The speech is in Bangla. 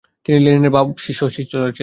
তিনি লেনিনের ভাবশিষ্য ছিলেন।